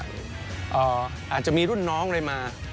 อาจจะมีรุ่นน้องอะไรมา